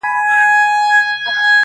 د رستمانو په نکلونو به ملنډي وهي!!